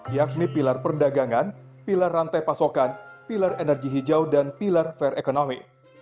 yakni pilar perdagangan pilar rantai pasokan pilar energi hijau dan pilar fair economy